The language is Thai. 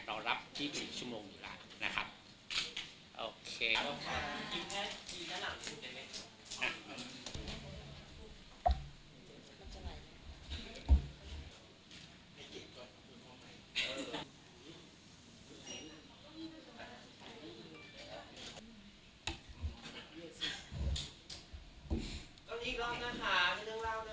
เรารับที่๑๐ชั่วโมงเวลานะครับโอเค